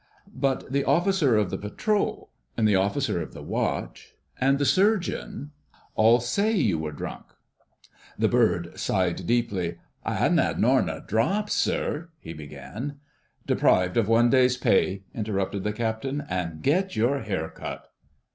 "But the Officer of the Patrol and the Officer of the Watch and the Surgeon all say you were drunk." The "bird" sighed deeply. "I 'adn't 'ad no more'n a drop, sir——" he began. "Deprived of one day's pay," interrupted the Captain; "and get your hair cut."